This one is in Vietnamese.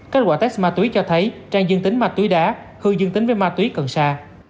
các quả test ma túy cho thấy trang dương tính ma túy đá hư dương tính với ma túy cần sa